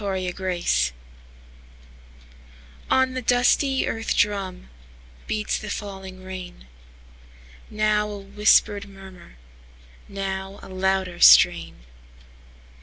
Rain Music ON the dusty earth drumBeats the falling rain; Now a whispered murmur, Now a louder strain.